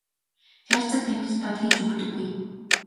Хайрцаг тамхи татаад хэн ч үхдэггүй.